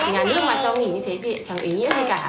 nhà nước mà rau nghỉ như thế thì chẳng ý nghĩa gì cả